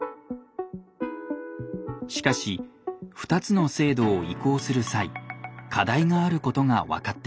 しかし２つの制度を移行する際課題があることが分かってきました。